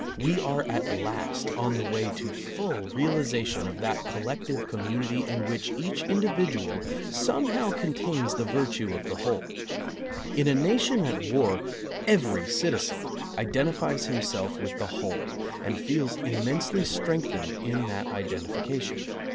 We are at last on the way to full realization of that collective com munity in which each individual somehow con tains the virtue of the whole. In a nation at war, every citizen identifies himself with the whole, and feels immensely strengthened in that identification.